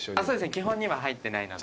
基本には入ってないので。